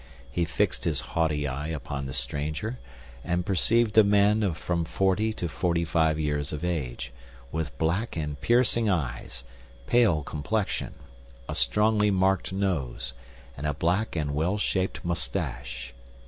He fixed his haughty eye upon the stranger, and perceived a man of from forty to forty five years of age, with black and piercing eyes, pale complexion, a strongly marked nose, and a black and well shaped mustache.